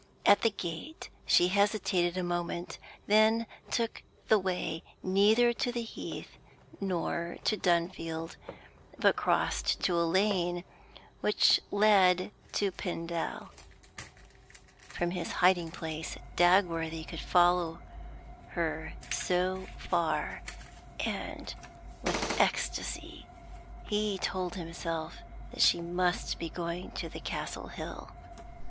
At the gate she hesitated a moment, then took the way neither to the Heath nor to Dunfield, but crossed to the lane which led to Pendal. From his hiding place Dagworthy could follow her so far, and with ecstasy he told himself that she must be going to the Castle Hill.